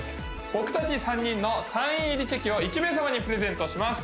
僕たち３人のサイン入りチェキを１名さまにプレゼントします